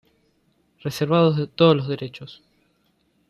Reservados todos los derechos.